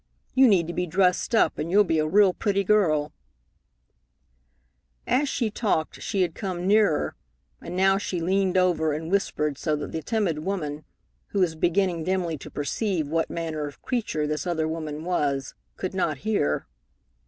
You need to be dressed up, and you'll be a real pretty girl " As she talked, she had come nearer, and now she leaned over and whispered so that the timid woman, who was beginning dimly to perceive what manner of creature this other woman was, could not hear.